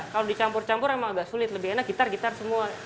kalau dicampur campur emang agak sulit lebih enak gitar gitar semua